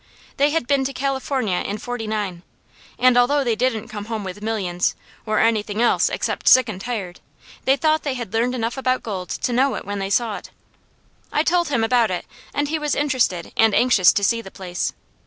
They had been to California in '49, and although they didn't come home with millions, or anything else except sick and tired, they thought they had learned enough about gold to know it when they saw it. I told him about it and he was interested and anxious to see the place.